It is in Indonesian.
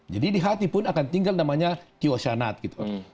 jadi di hati pun akan tinggal namanya thiocyanate